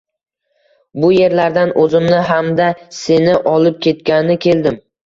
Bu yerlardan oʻzimni hamda, Seni olib ketgani keldim...